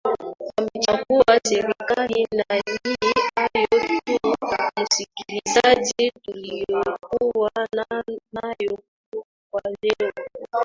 wamechukua serikali na ni hayo tu msikilizaji tuliokuwa nayo kwa leo